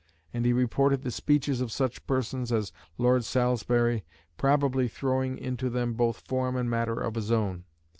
And he reported the speeches of such persons as Lord Salisbury, probably throwing into them both form and matter of his own.